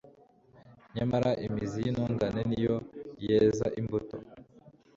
nyamara imizi y'intungane ni yo yeza imbuto